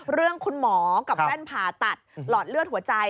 เรื่องคุณหมอกับแว่นผ่าตัดหลอดเลือดหัวใจ